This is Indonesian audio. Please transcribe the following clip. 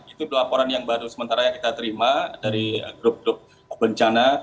itu laporan yang baru sementara yang kita terima dari grup grup bencana